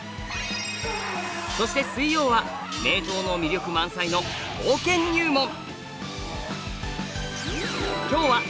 そして水曜は名刀の魅力満載の刀剣入門。